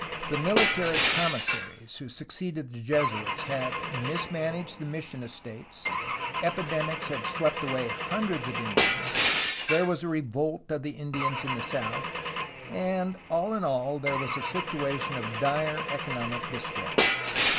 The military commissaries who succeeded the Jesuits had mismanaged the mission estates, epidemics had swept away hundreds of Indians, there was a revolt of the Indians in the south, and, all in all, there was a situation of dire economic distress.